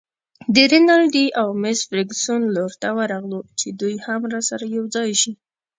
د رینالډي او مس فرګوسن لور ته ورغلو چې دوی هم راسره یوځای شي.